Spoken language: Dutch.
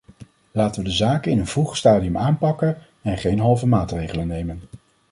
Laten we de zaken in een vroeg stadium aanpakken, en geen halve maatregelen nemen.